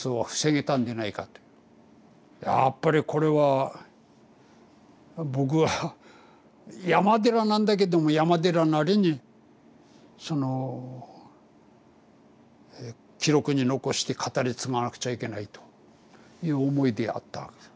やっぱりこれは僕は山寺なんだけども山寺なりにその記録に残して語り継がなくちゃいけないという思いでやったわけ。